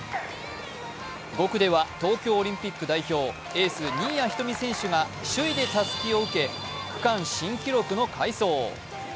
５区では東京オリンピック代表、エース・新谷仁美選手が首位でたすきを受け区間新記録の快走。